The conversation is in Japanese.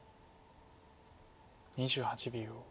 ２８秒。